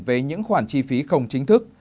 về những khoản chi phí không chính thức